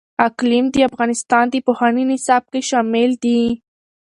اقلیم د افغانستان د پوهنې نصاب کې شامل دي.